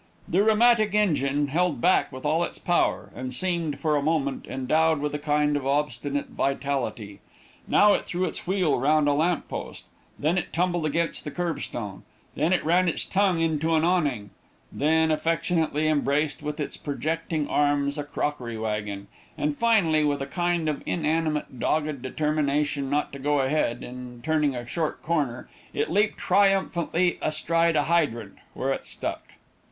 The rheumatic engine held back with all its power, and seemed, for the moment, endowed with a kind of obstinate vitality. Now it threw its wheel round a lamp post, then it tumbled against the curb stone, then it ran its tongue into an awning, then affectionately embraced with its projecting arms a crockery wagon, and finally, with a kind of inanimate dogged determination not to go ahead, in turning a short corner, it leaped triumphantly astride a hydrant, where it stuck.